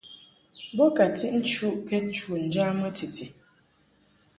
Bo ka tiʼ nchukɛd chu ŋjamɨ titi.